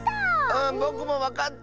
うんぼくもわかった！